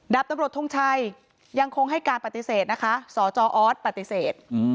ดับตำรวจทรงชัยยังคงให้การประเทศนะคะสอประเทศ